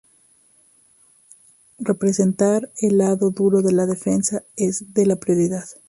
representar el lado duro de la defensa de la propiedad